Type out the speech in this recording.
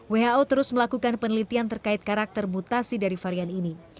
who terus melakukan penelitian terkait karakter mutasi dari varian ini